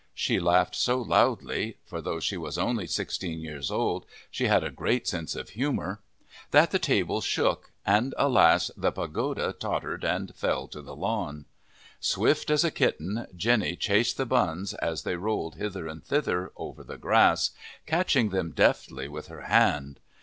She laughed so loudly (for, though she was only sixteen years old, she had a great sense of humour) that the table shook, and alas! the pagoda tottered and fell to the lawn. Swift as a kitten, Jenny chased the buns, as they rolled, hither and thither, over the grass, catching them deftly with her hand.